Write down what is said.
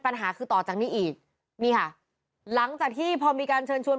ปัญหาคือต่อจากนี้อีกนี่ค่ะหลังจากที่พอมีการเชิญชวน